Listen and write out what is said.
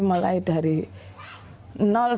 mulai dari nol